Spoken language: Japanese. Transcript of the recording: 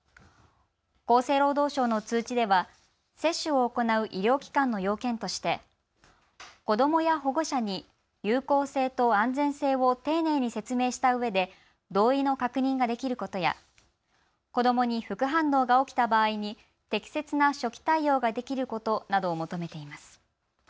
厚生労働省の通知では接種を行う医療機関の要件として子どもや保護者に有効性と安全性を丁寧に説明したうえで同意の確認ができることや子どもに副反応が起きた場合に適切な初期対応ができることなどを求めています。